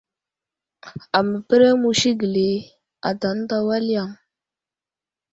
Aməpəreŋ musi gəli ata ənta wal yaŋ.